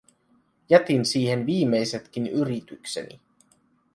Jätin siihen viimeisetkin yritykseni.